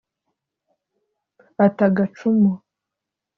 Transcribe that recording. ata gacumu